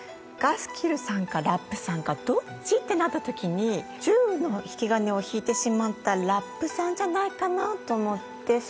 「ガスキルさんかラップさんかどっち？」ってなったときに銃の引き金を引いてしまったラップさんじゃないかなと思って。